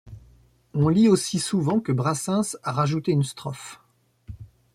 On lit aussi souvent que Brassens a rajouté une strophe.